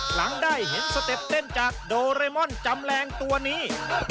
หลังได้เห็นสเต็ปเต้นจากโดเรมอนจำแรงตัวนี้